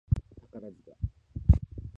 宝塚